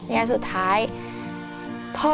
ขอบคุณมากครับ